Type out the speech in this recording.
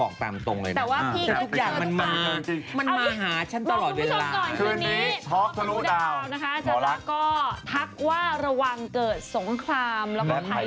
คุณต้องเล่นด้วยประสบการณ์